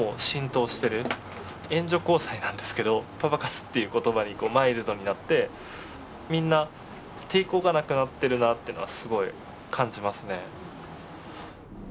援助交際なんですけどパパ活っていう言葉にこうマイルドになってみんな抵抗がなくなってるなっていうのはすごい感じますね。